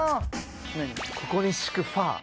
ここに敷くファー。